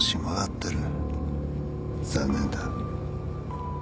残念だ